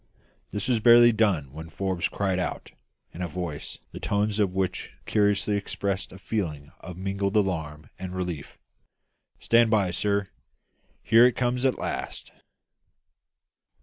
This was barely done when Forbes cried out, in a voice the tones of which curiously expressed a feeling of mingled alarm and relief "Stand by, sir; here it comes at last!"